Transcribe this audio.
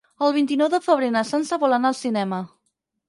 El vint-i-nou de febrer na Sança vol anar al cinema.